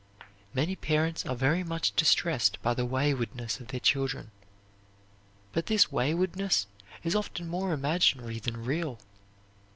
Many parents are very much distressed by the waywardness of their children; but this waywardness is often more imaginary than real.